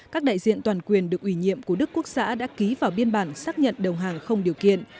các đại diện toàn quyền được ủy nhiệm của đức quốc xã đã ký vào biên bản xác nhận đầu hàng không điều kiện